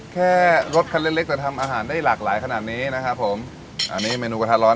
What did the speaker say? แค่รถคันเล็กเล็กแต่ทำอาหารได้หลากหลายขนาดนี้นะครับผมอันนี้เมนูกระทะร้อน